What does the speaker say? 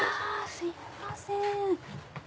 すいません。